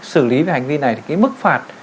xử lý hành vi này thì cái mức phạt